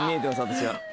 私は。